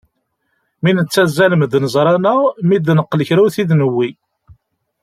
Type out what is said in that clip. Mi nettazzal medden ẓran-aɣ, mi d-neqqel kra ur t-id-newwi.